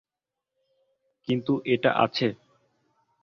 কিন্তু এটা আছে।